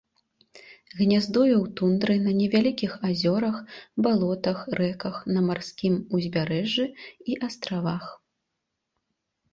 Гняздуе ў тундры на невялікіх азёрах, балотах, рэках, на марскім ўзбярэжжы і астравах.